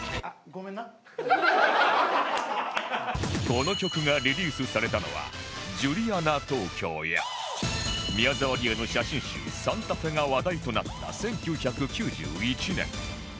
この曲がリリースされたのはジュリアナ東京や宮沢りえの写真集『ＳａｎｔａＦｅ』が話題となった１９９１年